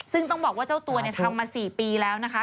ซึ่งต้องบอกว่าเจ้าตัวทำมา๔ปีแล้วนะคะ